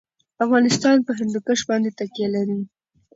افغانستان په هندوکش باندې تکیه لري.